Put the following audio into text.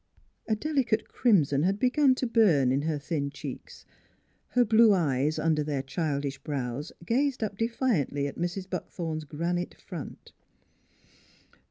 " A delicate crimson had begun to burn in her thin cheeks; her blue eyes under their childish brows gazed up defiantly at Mrs. Buckthorn's granite front.